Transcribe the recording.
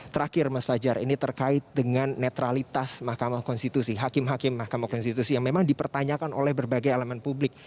terakhir mas fajar ini terkait dengan netralitas mahkamah konstitusi hakim hakim mahkamah konstitusi yang memang dipertanyakan oleh berbagai elemen publik